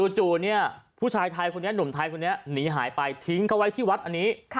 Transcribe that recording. จู่เนี่ยผู้ชายไทยคนนี้หนุ่มไทยคนนี้หนีหายไปทิ้งเขาไว้ที่วัดอันนี้